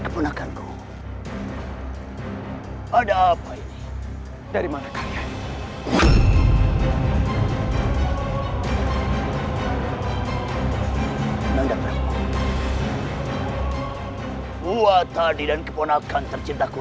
buat tadi dan kepunakan tercinta ku